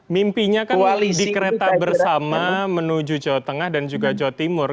mimpinya kan di kereta bersama menuju jawa tengah dan juga jawa timur